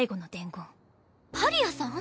パリアさん？